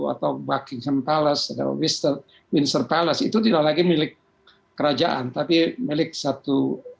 atau buckingham palace atau windsor palace itu tidak lagi milik kerajaan tapi milik satu